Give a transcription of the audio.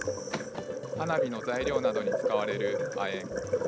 花火の材料などに使われる亜鉛。